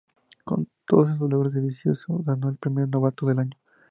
Con todos esos logros Dovizioso ganó el premio de Novato del Año.